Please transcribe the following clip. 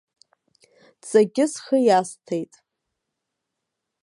Дҵакгьы схы иасҭеит.